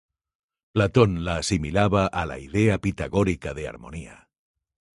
Platón la asimilaba a la idea pitagórica de armonía.